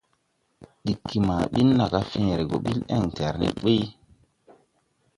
Ɗiggi ma ɓin na gá fẽẽre gɔ ɓil ɛŋtɛrned ɓuy.